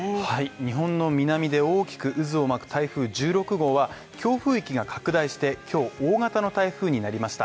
日本の南で大きく渦を巻く台風１６号は強風域が拡大して今日、大型の台風になりました。